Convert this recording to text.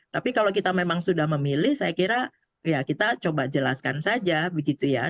tapi kalau kita memang sudah memilih saya kira ya kita coba jelaskan saja begitu ya